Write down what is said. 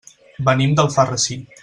Venim d'Alfarrasí.